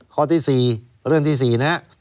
ข้อที่๔เรื่องที่๔